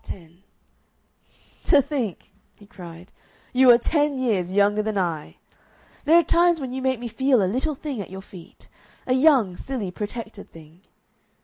Part 10 "To think," he cried, "you are ten years younger than I!... There are times when you make me feel a little thing at your feet a young, silly, protected thing.